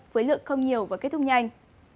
với lượng không nhiều và kết thúc nhanh